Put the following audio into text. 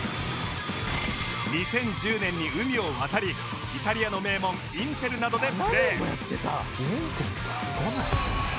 ２０１０年に海を渡りイタリアの名門インテルなどでプレー